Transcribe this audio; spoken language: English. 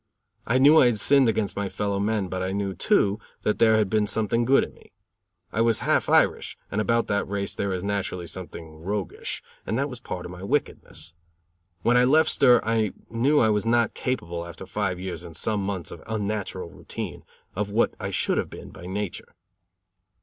I knew I had sinned against my fellow men, but I knew, too, that there had been something good in me. I was half Irish, and about that race there is naturally something roguish; and that was part of my wickedness. When I left stir I knew I was not capable, after five years and some months of unnatural routine, of what I should have been by nature.